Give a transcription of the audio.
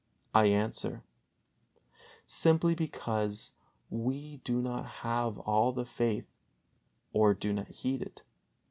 I answer: Simply because we do not all have faith or do not heed it.